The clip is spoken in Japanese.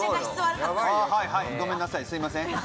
はいはいごめんなさいすいません。